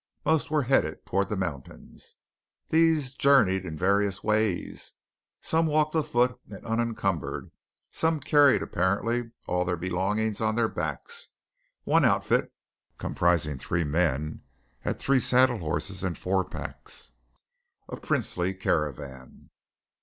Most were headed toward the mountains. These journeyed in various ways. Some walked afoot and unencumbered, some carried apparently all their belongings on their backs, one outfit comprising three men had three saddle horses and four packs a princely caravan.